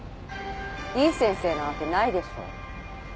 いい先生なわけないでしょ。